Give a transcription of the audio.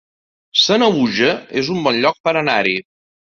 Sanaüja es un bon lloc per anar-hi